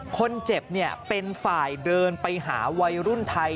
คนเจ็บเป็นฝ่ายเดินไปหาวัยรุ่นไทย